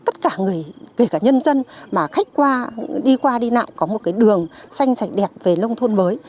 tất cả người kể cả nhân dân mà khách qua đi qua đi nào có một cái đường xanh sạch đẹp về lông thôn mới